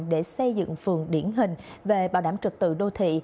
để xây dựng phường điển hình về bảo đảm trực tự đô thị